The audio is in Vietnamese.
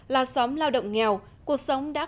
là xóm lao động nghèo cuộc sống không đáng đáng đáng